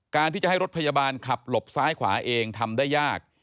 การที่จะให้รถพยาบาลขับหลบซ้ายขวาเองทำได้ยาก